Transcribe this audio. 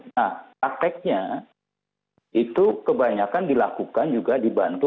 nah prakteknya itu kebanyakan dilakukan juga dibantu